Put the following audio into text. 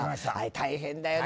大変だよね。